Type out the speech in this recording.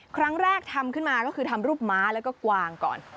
ครั้งแรกทำขึ้นมาก็คือทำรูปม้าแล้วก็กวางก่อน